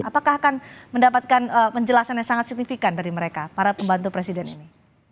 apakah akan mendapatkan penjelasan yang sangat signifikan dari mereka para pembantu presiden ini